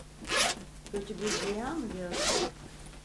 Kötü bir rüya mı gördün?